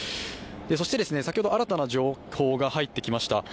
そして先ほど、新たな情報が入ってきました。